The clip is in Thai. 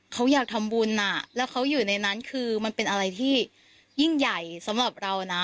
เขาอยากทำบุญแล้วเขาอยู่ในนั้นคือมันเป็นอะไรที่ยิ่งใหญ่สำหรับเรานะ